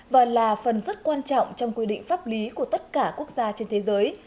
và là phần rất quan trọng trong quy định pháp lý của tất cả quốc gia trên thế giới